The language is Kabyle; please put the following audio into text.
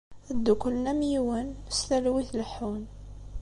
Dduklen am yiwen, s talwit leḥḥun.